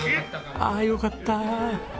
ああよかったあ。